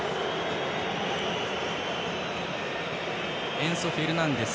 エンソ・フェルナンデス。